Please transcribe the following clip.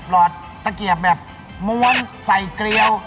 หลอดตะเกียบแบบม้วนใส่เกลียว